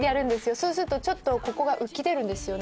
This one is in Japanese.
ちょっとここが浮き出るんですよね。